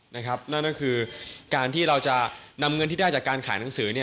นั่นก็คือการที่เราจะนำเงินที่ได้จากการขายหนังสือ